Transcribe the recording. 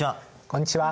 こんにちは。